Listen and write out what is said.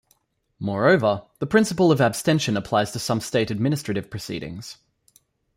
Moreover, the principle of abstention applies to some state administrative proceedings.